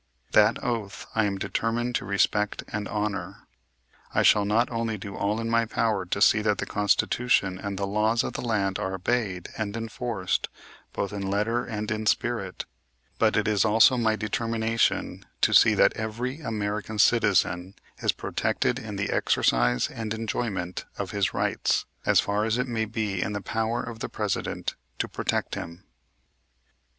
That oath I am determined to respect and honor. I shall not only do all in my power to see that the Constitution and the laws of the land are obeyed and enforced, both in letter and in spirit, but it is also my determination to see that every American citizen is protected in the exercise and enjoyment of his rights, as far as it may be in the power of the President to protect him."